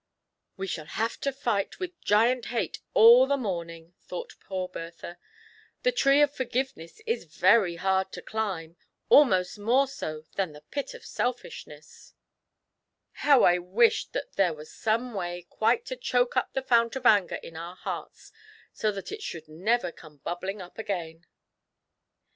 "We shall have to fight with Giant Hate all the morning," thought poor Bertha ;" the tree of Forgiveness is very hard to climb — almost more so than the pit of Selfishness. How I wish that there were some way quite 9 130 THE PLEASURE EXCURSION. to choke up the fount of Anger in our hearts, so that it should never come bubbling up again !"